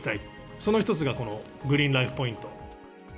その１つがこのグリーンライフ・ポイント。